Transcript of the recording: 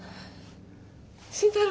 慎太郎